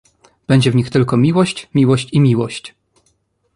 "Będzie w nich tylko miłość, miłość i miłość!"